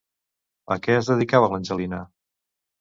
A què es dedicava l'Angelina?